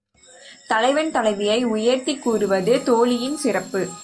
தலைவன் தலைவியை உயர்த்திக் கூறுவது தோழியின் சிறப்பு.